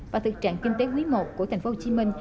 và thực trạng kinh tế quý i của tp hcm